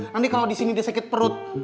nanti kalo disini dia sakit perut